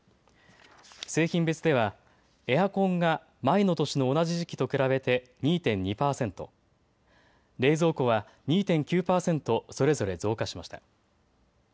製品別ではエアコンが前の年の同じ時期と比べて２．２％、冷蔵庫は２．９％それぞれ増加しました。